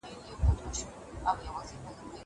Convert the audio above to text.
زه مېوې نه وچوم.